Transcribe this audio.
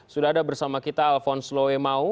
sudah ada bersama kita alvon sloemau